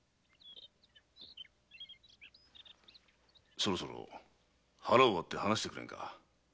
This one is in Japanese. そろそろ腹を割って話してくれんか。